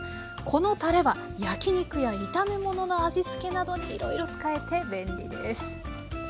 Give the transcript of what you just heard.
このたれは焼き肉や炒め物の味付けなどにいろいろ使えて便利です。